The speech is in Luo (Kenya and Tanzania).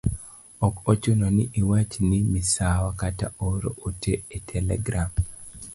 Ok ochuno ni iwach ni misawa kata oro ote e telegram.